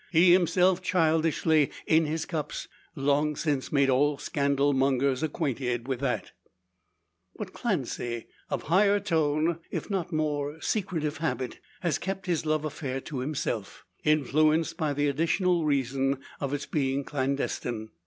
He himself, childishly, in his cups, long since made all scandal mongers acquainted with that. But Clancy, of higher tone, if not more secretive habit, has kept his love affair to himself; influenced by the additional reason of its being clandestine.